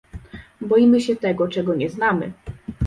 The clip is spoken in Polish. Boimy się tego, czego nie znamy